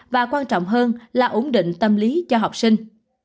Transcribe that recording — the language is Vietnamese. và quan trọng hơn là ổn định tâm lý cho học sinh